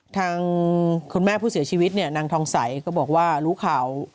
ทางคุณแม่ผู้เสียชีวิตเนี่ยนางทองใสก็บอกว่ารู้ข่าว